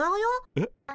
えっ？